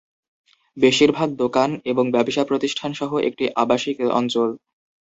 বেশিরভাগ দোকান এবং ব্যবসা প্রতিষ্ঠান সহ একটি আবাসিক অঞ্চল।